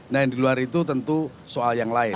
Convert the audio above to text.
nah yang di luar itu tentu soal yang lain